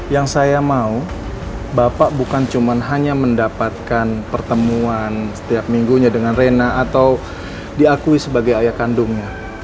yang saya mau bapak bukan cuma hanya mendapatkan pertemuan setiap minggunya dengan rena atau diakui sebagai ayah kandungnya